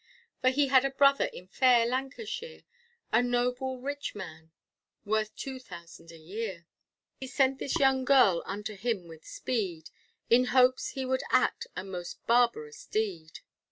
For he had a brother in fair Lancashire, A noble rich man, worth two thousand a year; He sent this young girl unto him with speed, In hopes he would act a most barbarous deed.